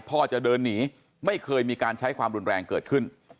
พ่อจะเดินหนีไม่เคยมีการใช้ความรุนแรงเกิดขึ้น